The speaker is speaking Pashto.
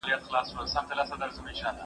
ايا ته سفر کوې